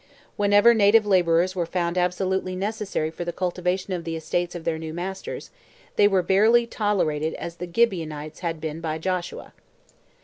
Whenever native labourers were found absolutely necessary for the cultivation of the estates of their new masters, they were barely tolerated "as the Gibeonites had been by Joshua."